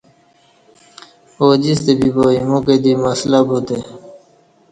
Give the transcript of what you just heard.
اوجِستہ بِیبا اِیمو کہ دی مسلہ بُوتہ